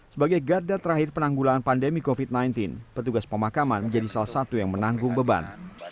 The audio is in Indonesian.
sebagai garda terakhir penanggulangan pandemi covid sembilan belas petugas pemakaman menjadi salah satu yang menanggung beban